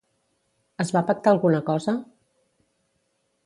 Es va pactar alguna cosa?